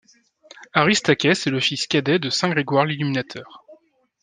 Aristakès est le fils cadet de saint Grégoire l'Illuminateur.